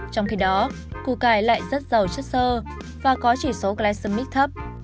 trong khi đó củ cải lại rất giàu chất sơ và có chỉ số glycemic thấp